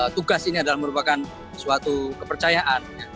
tugas ini adalah merupakan suatu kepercayaan